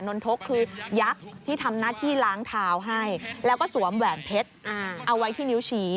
นนทกคือยักษ์ที่ทำหน้าที่ล้างเท้าให้แล้วก็สวมแหวนเพชรเอาไว้ที่นิ้วชี้